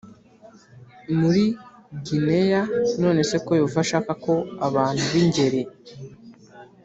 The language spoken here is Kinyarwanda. Muri gineya none se ko yehova ashaka ko abantu b ingeri